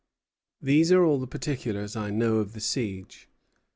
These are all the particulars I know of the siege.